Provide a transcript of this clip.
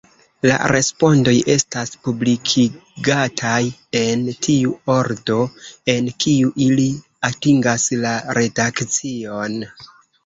La respondoj estas publikigataj en tiu ordo, en kiu ili atingas la redakcion.